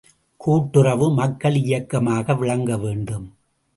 கூட்டுறவு, மக்கள் இயக்கமாக விளங்க வேண்டும்.